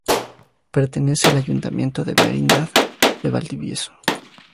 Pertenece al Ayuntamiento de Merindad de Valdivielso.